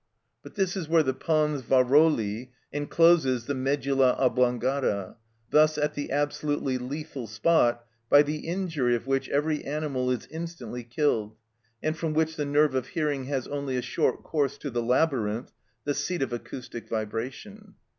But this is where the pons Varolii encloses the medulla oblongata, thus at the absolutely lethal spot, by the injury of which every animal is instantly killed, and from which the nerve of hearing has only a short course to the labyrinth, the seat of acoustic vibration.